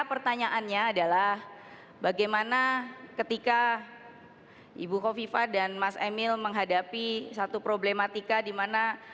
pertanyaannya adalah bagaimana ketika ibu kofifa dan mas emil menghadapi satu problematika dimana